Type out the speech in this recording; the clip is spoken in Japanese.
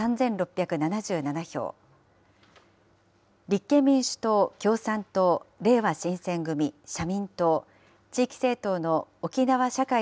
立憲民主党、共産党、れいわ新選組、社民党、地域政党の沖縄社会